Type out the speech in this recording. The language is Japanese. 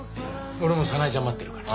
俺も早苗ちゃん待ってるから。